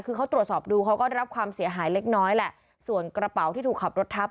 คือเขาตรวจสอบดูเขาก็ได้รับความเสียหายเล็กน้อยแหละส่วนกระเป๋าที่ถูกขับรถทับ